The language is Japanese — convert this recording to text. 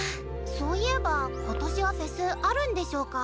そういえば今年はフェスあるんでしょうか。